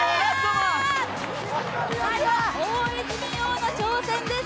最後は大泉洋の挑戦です。